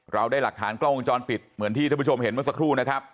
เราได้หลักฐานกล้องวงจรปิดเหมือนที่ท่านผู้ชมเห็นเมื่อสักครู่นะครับ